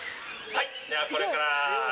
はいではこれから。